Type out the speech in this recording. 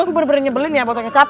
aku bener bener nyebelin ya botol kecap